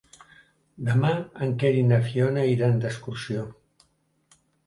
Demà en Quer i na Fiona iran d'excursió.